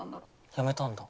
辞めたんだ？